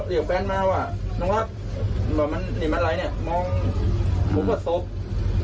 เรียกแฟนมาว่าน้องรับว่ามันนี่มันอะไรเนี่ยมองผมก็สบ